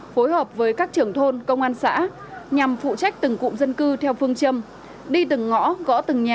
phối hợp với các trưởng thôn công an xã nhằm phụ trách từng cụm dân cư theo phương châm đi từng ngõ